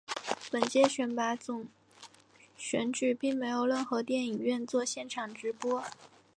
本届选拔总选举并没有任何电影院作现场直播。